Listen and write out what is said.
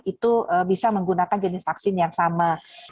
itu bisa menggunakan jenis vaksin yang sama